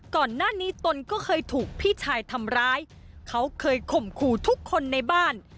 ก่อนหน้านี้ตนก็เคยถูกพี่ชายทำร้ายเขาเคยข่มขู่ทุกคนในบ้าน